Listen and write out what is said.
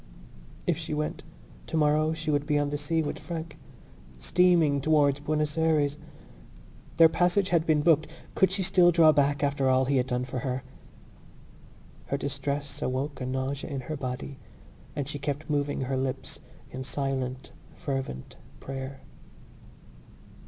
If she went, tomorrow she would be on the sea with Frank, steaming towards Buenos Ayres. Their passage had been booked. Could she still draw back after all he had done for her? Her distress awoke a nausea in her body and she kept moving her lips in silent fervent prayer.